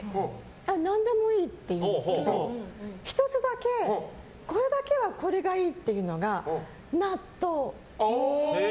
ああ、何でもいいって言うんですけど１つだけ、これだけはこれがいいっていうのが納豆。